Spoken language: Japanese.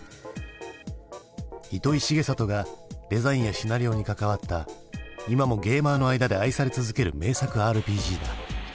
糸井重里がデザインやシナリオに関わった今もゲーマーの間で愛され続ける名作ＲＰＧだ。